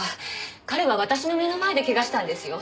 彼は私の目の前でけがしたんですよ。